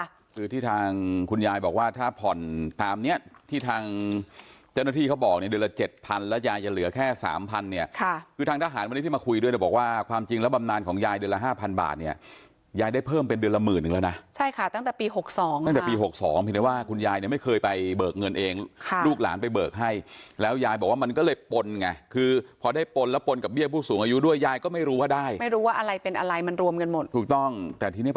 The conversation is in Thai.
คือที่ทางคุณยายบอกว่าถ้าผ่อนตามเนี้ยที่ทางเจ้าหน้าที่เขาบอกเนี้ยเดือนละเจ็ดพันแล้วยายจะเหลือแค่สามพันเนี้ยค่ะคือทางทหารวันนี้ที่มาคุยด้วยจะบอกว่าความจริงแล้วบำนานของยายเดือนละห้าพันบาทเนี้ยยายได้เพิ่มเป็นเดือนละหมื่นหนึ่งแล้วน่ะใช่ค่ะตั้งแต่ปีหกสองค่ะตั้งแต่ปีหกสองผิดแต่ว่าคุณย